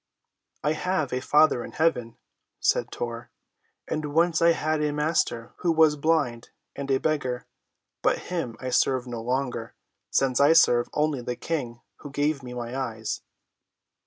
"I have a Father in heaven," said Tor, "and once I had a master who was blind and a beggar; but him I serve no longer, since I serve only the King who gave me my eyes."